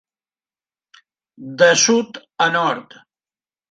De sud a nord.